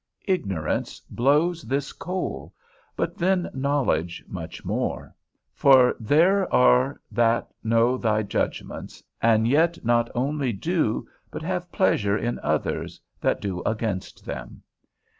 Ignorance blows this coal; but then knowledge much more; for there are that know thy judgments, and yet not only do, but have pleasure in others that do against them.